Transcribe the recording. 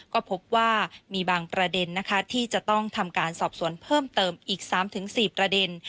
ก็พบว่ามีบางประเด็นนะคะที่จะต้องทำการสอบสวนเพิ่มเติมอีก๓๔ประเด็น